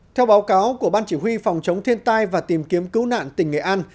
theo báo cáo của ban chỉ huy phòng chống thiên tai và tìm kiếm cứu nạn tỉnh nghệ an